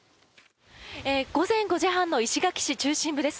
午前５時半の石垣市中心部です。